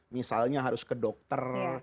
misalnya harus ke dokter